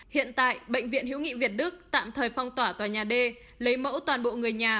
hiện tại bệnh viện hiếu nghị việt đức tạm thời phong tỏa tòa nhà d lấy mẫu toàn bộ người nhà